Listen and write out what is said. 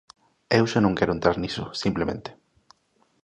Eu xa non quero entrar niso, simplemente.